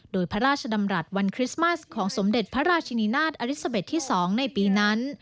โดยพระราชดำรัฐวันคริสต์มัสของสมเด็จพระราชินินาศอลิซาเบ็ดที่๒ในปีนั้น